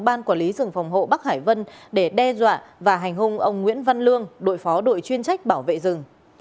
ban quản lý rừng phòng hộ bắc hải vân để đe dọa và hành hung ông nguyễn văn lương đội phó đội chuyên trách bảo vệ rừng